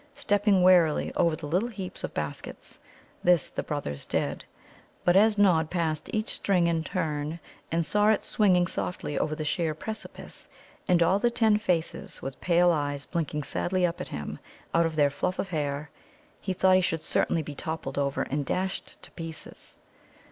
Stepping warily over the little heaps of baskets, this the brothers did. But as Nod passed each string in turn, and saw it swinging softly over the sheer precipice, and all the ten faces with pale eyes blinking sadly up at him out of their fluff of hair, he thought he should certainly be toppled over and dashed to pieces.